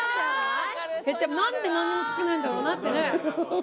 何で何にもつけないんだろうなってね。